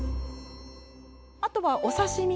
あとはお刺身。